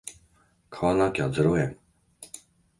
買わなきゃゼロ円